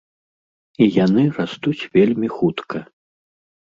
І яны растуць вельмі хутка.